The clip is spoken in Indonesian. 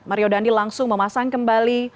mario dandi langsung memasang kembali